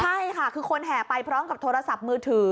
ใช่ค่ะคือคนแห่ไปพร้อมกับโทรศัพท์มือถือ